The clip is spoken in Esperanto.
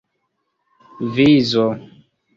vizo